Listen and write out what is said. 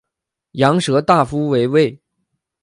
羊舌大夫为尉。